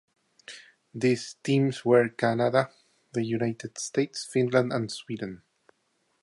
These teams were Canada, the United States, Finland and Sweden.